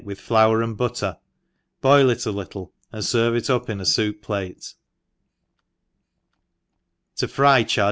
with flour and butter, boil it i Kttlc, and ferve it up in a foup plate. "^ To fry Chab.!)